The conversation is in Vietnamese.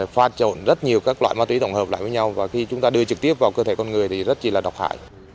pha trộn rất nhiều các loại ma túy tổng hợp lại với nhau và khi chúng ta đưa trực tiếp vào cơ thể con người thì rất chỉ là độc hại